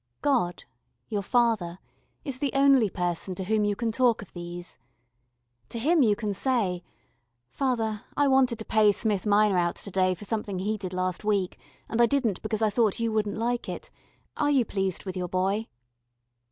God, your Father, is the only person to whom you can talk of these. To him you can say: "Father, I wanted to pay Smith Minor out to day for something he did last week, and I didn't because I thought You wouldn't like it. Are You pleased with Your boy?"